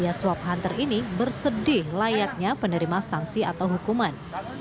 biaya swab hunter ini bersedih layaknya penerima sanksi atau hukuman